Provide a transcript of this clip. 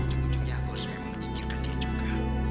ujung ujungnya aku harus memang menyingkirkan dia juga